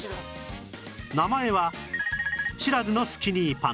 名前は知らずのスキニーパンツ